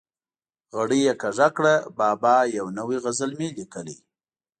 غړۍ یې کږه کړه: بابا یو نوی غزل مې لیکلی.